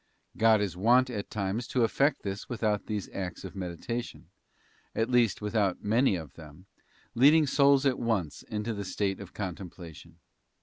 God is wont at times to effect this without these acts of meditation — at least without many of them — leading souls at once into the state of contemplation.